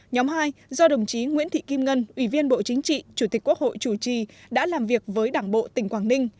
nhóm hai do đồng chí nguyễn thị kim ngân ủy viên bộ chính trị chủ tịch quốc hội chủ trì đã làm việc với đảng bộ tỉnh quảng ninh